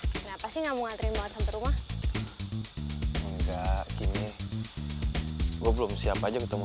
kenapa sih nggak mau ngantri banget sampai rumah enggak gini gue belum siap aja ketemu